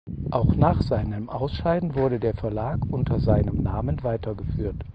Auch nach seinem Ausscheiden wurde der Verlag unter seinem Namen weitergeführt.